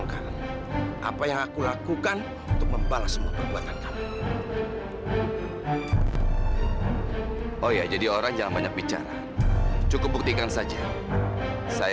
sampai jumpa di video selanjutnya